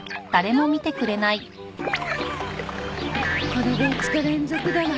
これで５日連続だわ。